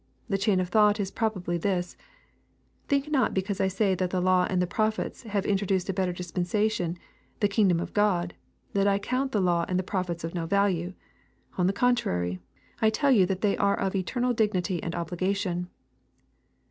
The chain of thought is probably this :—" Think not because I say that the law and the prophets nave introduced a better dispensation, the kingdom of God, that I count the law and the prophets of no value. On the contrary, [ tell you that they are of eternal dignity ani obligation.